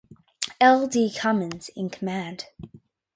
L. D. Cummins in command.